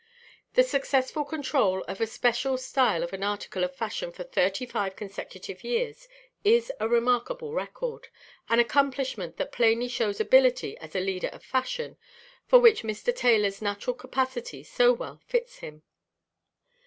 The successful control of a special style as an article of fashion for thirty five consecutive years is a remarkable record, an accomplishment that plainly shows ability as a leader of fashion, for which Mr. Taylor's natural capacity so well fits him.